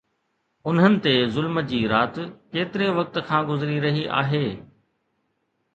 انهن تي ظلم جي رات ڪيتري وقت کان گذري رهي آهي؟